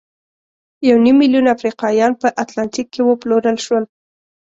یو نیم میلیون افریقایان په اتلانتیک کې وپلورل شول.